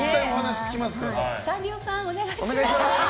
サンリオさん、お願いします！